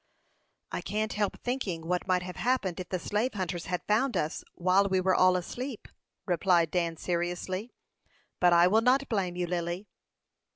"I can't help thinking what might have happened if the slave hunters had found us while we were all asleep," replied Dan, seriously. "But I will not blame you, Lily."